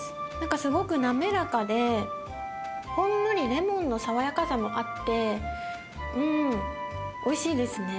すごく滑らかで、ほんのりレモンの爽やかさもあって、おいしいですね。